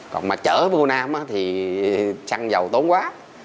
còn mà chở vô nam thì xăng dầu tốn quá